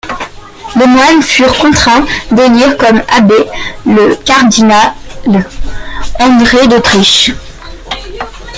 Les moines furent contraints d'élire comme abbé, le cardinal André d'Autriche.